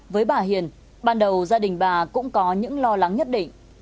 với bà hiền ban đầu gia đình bà cũng có những lo lắng nhất định